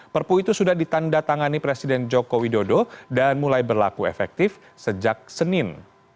perpu itu sudah ditanda tangani presiden joko widodo dan mulai berlaku efektif sejak senin